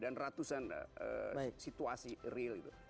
dan ratusan situasi real itu